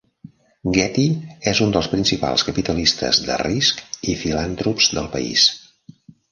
Getty és un dels principals capitalistes de risc i filantrops del país.